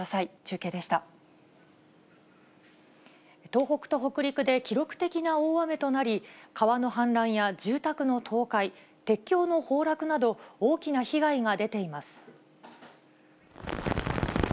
東北と北陸で記録的な大雨となり、川の氾濫や住宅の倒壊、鉄橋の崩落など、大きな被害が出ています。